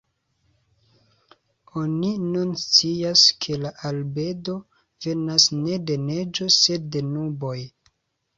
Oni nun scias ke la albedo venas ne de neĝo sed de nuboj.